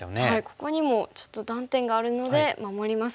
ここにもちょっと断点があるので守りますか。